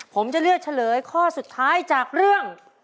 ผมจะเลือกเฉลยข้อสุดท้ายจากเรื่อง